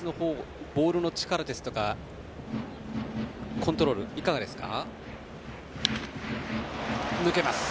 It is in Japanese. メルセデスのボールの力ですとかコントロールはいかがですか？